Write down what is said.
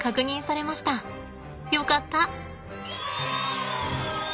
よかった。